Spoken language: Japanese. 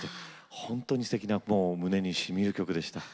本当にすてきな胸にしみる曲でした。